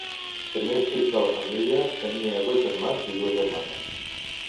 Primer fills de la família, tenia dos germans i dues germanes.